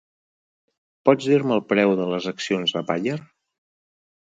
Pots dir-me el preu de les accions de Bayer?